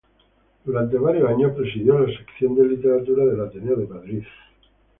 Durante varios años presidió la sección de Literatura del Ateneo de Madrid.